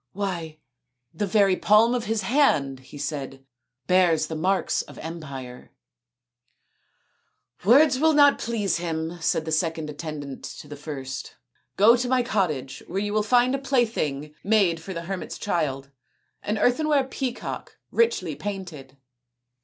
" Why the very palm of his hand/' he said, " bears the marks of empire." " Words will not please him/' said the second attendant to the first. " Go to my cottage, where you will find a plaything made for the hermit's child an earthenware peacock richly painted."